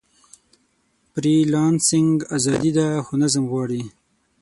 فریلانسنګ ازادي ده، خو نظم غواړي.